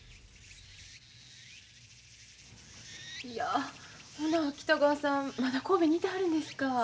いやほな北川さんまだ神戸にいてはるんですか。